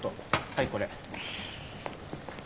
はいこれ。